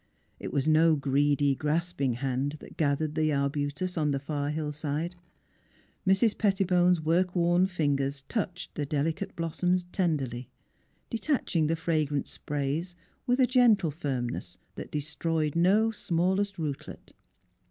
It was no greedy, grasping hand that gathered arbutus on that far hillside. Mrs. Pettibone's work worn fingers touched the deli cate blossoms tenderly, detaching the fragrant sprays with a gentle firmness that destroyed no smallest rootlet.